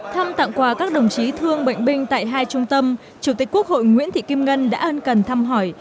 thăm tặng quà các đồng chí thương bệnh binh tại hai trung tâm chủ tịch quốc hội nguyễn thị kim ngân đã ân cần thăm hỏi